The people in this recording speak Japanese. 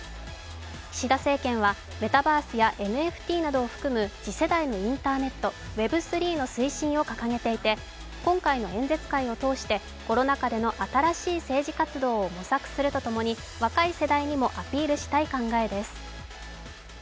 岸田政権はメタバースやＮＦＴなどを含む次世代のインターネット＝ＷＥＢ３．０の推進を掲げていて今回の演説会を通して、コロナ禍での新しい政治活動を模索するとともに、若い世代にもアピールしたい考えです。